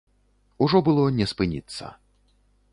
Ужо было не спыніцца.